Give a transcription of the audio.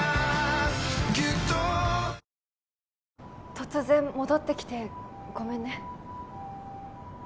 突然戻ってきてごめんね